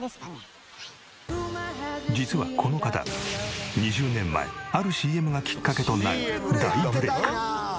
実はこの方２０年前あるＣＭがきっかけとなり大ブレイク！